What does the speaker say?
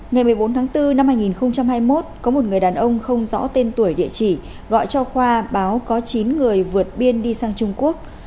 ngày một mươi bốn tháng bốn năm hai nghìn hai mươi một có một người đàn ông không rõ tên tuổi địa chỉ gọi cho khoa báo có chín người vượt biên đi sang trung quốc